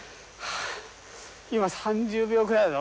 今３０秒ぐらいだろ？